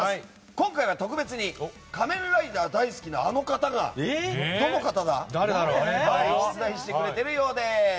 今回は特別に「仮面ライダー」大好きな、あの方が出題してくれているようです。